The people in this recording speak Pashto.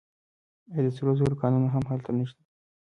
آیا د سرو زرو کانونه هم هلته نشته؟